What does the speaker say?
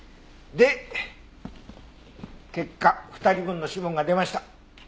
で結果２人分の指紋が出ました。